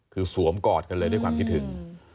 คือสวมกอดกันเลยด้วยความคิดถึง